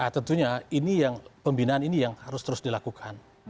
tentunya ini yang pembinaan ini yang harus terus dilakukan